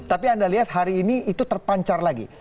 tapi anda lihat hari ini itu terpancar lagi